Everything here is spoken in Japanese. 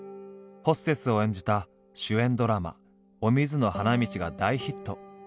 ホステスを演じた主演ドラマ「お水の花道」が大ヒット。